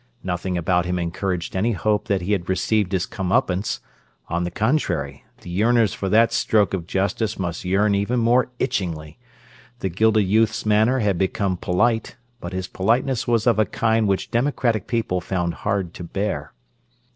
Nothing about him encouraged any hope that he had received his come upance; on the contrary, the yearners for that stroke of justice must yearn even more itchingly: the gilded youth's manner had become polite, but his politeness was of a kind which democratic people found hard to bear.